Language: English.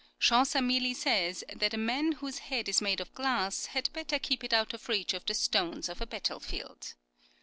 Chaucer merely says that a man whose head is made of glass had better keep it out of reach of the stones of a battlefield.